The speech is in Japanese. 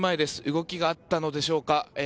動きがあったのでしょうか。